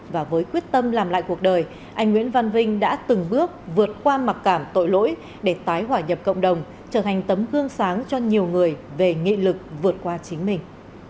và với quyết tâm làm lại cuộc đời anh nguyễn văn vinh đã từng bước vượt qua mặc cảm tội lỗi để tái hỏa nhập cộng đồng trở thành tấm gương sáng cho nhiều người về nghị lực vượt qua chính mình